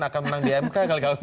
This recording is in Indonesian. akan menang di mk